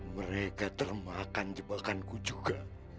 mereka termakan jebakanku juga